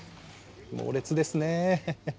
猛烈ですねえ。